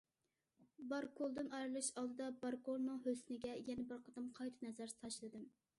باركۆلدىن ئايرىلىش ئالدىدا باركۆلنىڭ ھۆسنىگە يەنە بىر قېتىم قايتا نەزەر تاشلىدىم.